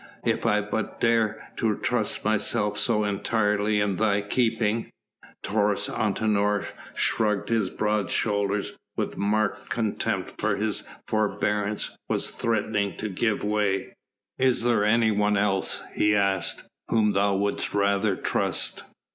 "If I but dared to trust myself so entirely in thy keeping...." Taurus Antinor shrugged his broad shoulders with marked contempt for his forbearance was threatening to give way. "Is there anyone else," he asked, "whom thou wouldst rather trust?